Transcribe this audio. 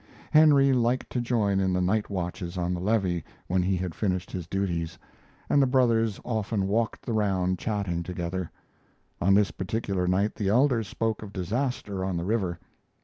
Henry liked to join in the night watches on the levee when he had finished his duties, and the brothers often walked the round chatting together. On this particular night the elder spoke of disaster on the river.